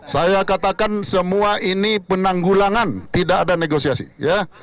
saya katakan semua ini penanggulangan tidak ada negosiasi ya